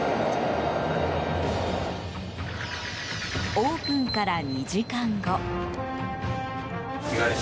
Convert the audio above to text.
オープンから２時間後。